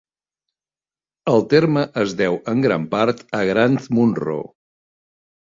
El terme es deu en gran part a Grant Munro.